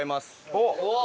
おっ！